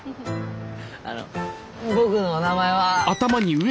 あの僕の名前は。